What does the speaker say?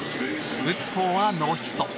打つほうはノーヒット。